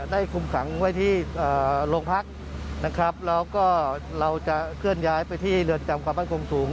ได้คุ้มขังไว้ที่เอ่อโรงพักษณ์นะครับแล้วก็เราจะเคลื่อนย้ายไปที่เรือนจำความปลอดภัยสูง